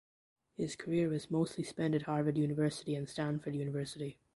His career was mostly spent at Harvard University and Stanford University.